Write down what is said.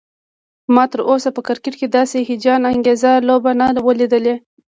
ما تراوسه په کرکټ کې داسې هيجان انګیزه لوبه نه وه لیدلی